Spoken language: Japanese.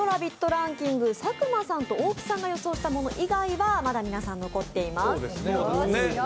ランキング、佐久間さんと大木さんが予想したもの以外はまだ皆さん残っています。